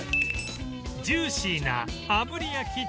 ジューシーなあぶり焼きチキンに